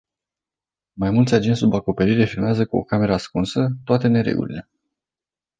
Mai mulți agenți sub acoperire filmează cu o cameră ascunsă, toate neregulile.